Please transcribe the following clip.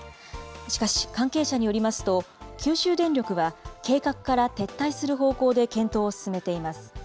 しかし、関係者によりますと、九州電力は、計画から撤退する方向で検討を進めています。